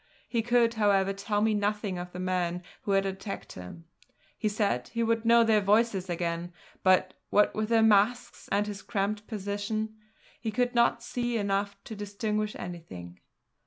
He could, however, tell me nothing of the men who had attacked him. He said he would know their voices again, but, what with their masks and his cramped position, he could not see enough to distinguish anything.